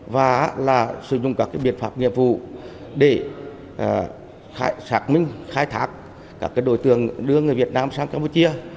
và sử dụng các biện pháp nghiệp vụ để xác minh khai thác các đối tượng đưa người việt nam sang campuchia